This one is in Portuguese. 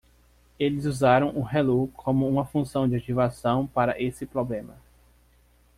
Eles usaram o relu como uma função de ativação para esse problema.